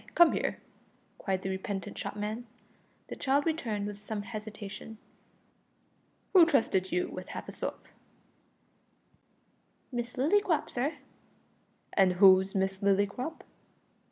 come here," cried the repentant shopman. The child returned with some hesitation. "Who trusted you with half a sov?" "Miss Lillycrop, sir." "And who's Miss Lillycrop?"